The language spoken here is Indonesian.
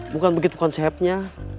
bukan begitu konsepnya